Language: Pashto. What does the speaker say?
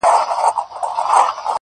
عمرونه وسول په تیارو کي دي رواني جرګې!.